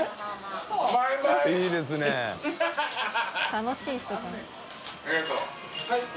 楽しい人だ。